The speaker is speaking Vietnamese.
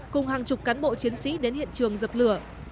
cùng hàng chục cán bộ chiến sĩ đến hiện trường dập lửa